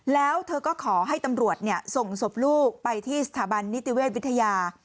แล้วเธอก็ขอให้ตำรวจส่งศพลูกไปที่สถาบันนิติเวชวิทยา